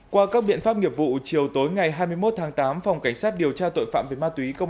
qua các biện pháp nghiệp vụ chiều tối ngày hai mươi một tháng tám phòng cảnh sát điều tra tội phạm về ma túy công